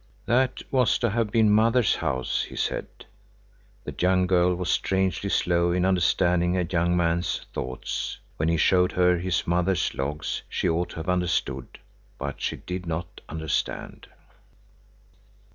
"That was to have been mother's house," he said. The young girl was strangely slow in understanding a young man's thoughts. When he showed her his mother's logs she ought to have understood, but she did not understand.